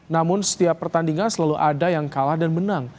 namun setiap pertandingan selalu ada yang kalah dan menang